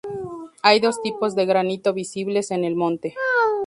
Hay dos tipos de granito visibles en el monte.